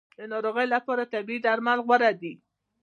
د ناروغۍ لپاره طبیعي درمل غوره دي